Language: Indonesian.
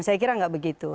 saya kira nggak begitu